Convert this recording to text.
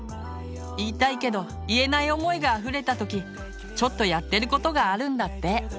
言いたいけど言えない思いがあふれた時ちょっとやってることがあるんだって。